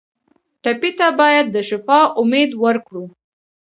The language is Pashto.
ټپي ته باید د شفا امید ورکړو.